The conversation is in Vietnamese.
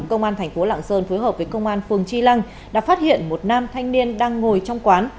công an thành phố lạng sơn phối hợp với công an phường tri lăng đã phát hiện một nam thanh niên đang ngồi trong quán